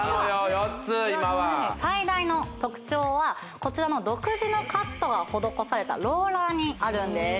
４つ今は最大の特徴はこちらの独自のカットが施されたローラーにあるんです